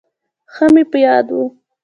ښه مې په یاد و.